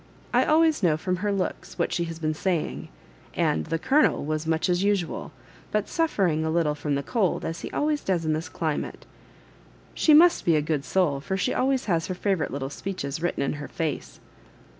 I always know from her looks what she has been saying ; and ' the Colonel was much as usual, but sufifering a little from the cold, as he always does in this climate.' She must be a good soul, for she always has her favourite little speeches written in her face."